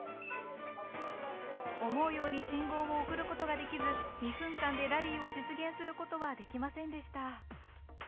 思うように信号を送ることができず２分間でラリーを実現することはできませんでした。